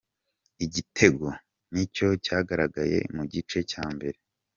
Iki gitego nicyo cyagaragaye mu gice cya mbere.